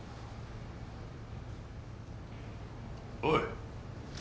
おい。